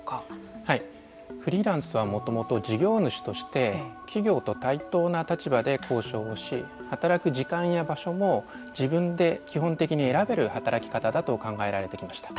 フリーランスはもともと事業主として企業と対等な立場で交渉をし働く時間や場所も自分で基本的に選べる働き方だと考えられてきました。